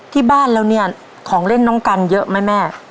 ที่บ้านแล้วเนี่ยของเล่นน้องกันเยอะไหมแม่